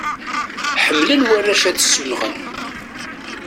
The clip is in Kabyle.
Ḥemmlen warrac ad ssunɣen.